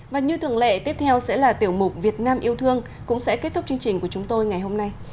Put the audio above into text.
và như thường lệ tiếp theo sẽ là tiểu mục việt nam yêu thương cũng sẽ kết thúc chương trình của chúng tôi ngày hôm nay